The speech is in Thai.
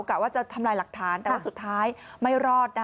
กะว่าจะทำลายหลักฐานแต่ว่าสุดท้ายไม่รอด